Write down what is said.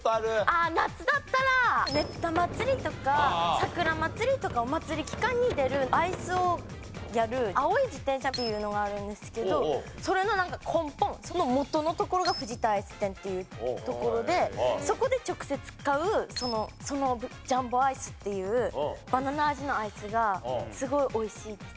あっ夏だったらねぷたまつりとかさくらまつりとかお祭り期間に出るアイスをやる青い自転車というのがあるんですけどそれのなんか根本その元のところが藤田アイス店っていうところでそこで直接買うそのジャンボアイスっていうバナナ味のアイスがすごい美味しいです。